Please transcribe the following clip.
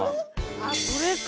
ああこれか。